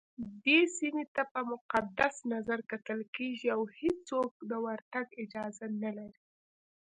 دې سيمي ته په مقدس نظرکتل کېږي اوهيڅوک دورتګ اجازه نه لري